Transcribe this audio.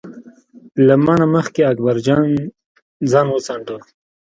له ما نه مخکې اکبر جان ځان وڅانډه.